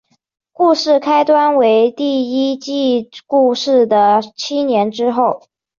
故事开端为第一季故事的七年之后。